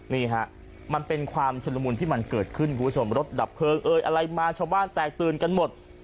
นี่ฮะมันเป็นความชุดละมุนที่มันเกิดขึ้นคุณผู้ชมรถดับเพลิงเอ่ยอะไรมาชาวบ้านแตกตื่นกันหมด